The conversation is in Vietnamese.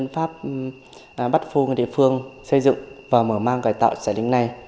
pháp bắt phu người địa phương xây dựng và mở mang cải tạo trại đỉnh này